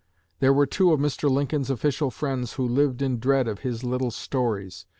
There were two of Mr. Lincoln's official friends who lived in dread of his little stories.